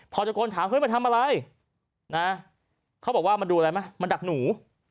พอจัดโกนถามมาทำอะไรเขาบอกว่ามันดูอะไรม่ะมันดักหนู่